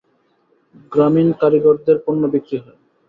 গ্রামীণ কারিগরদের পণ্য বিক্রি হয়।